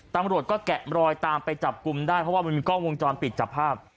ตำรวจก็แกะรอยตามไปจับกลุ่มได้เพราะว่ามันมีกล้องวงจรปิดจับภาพ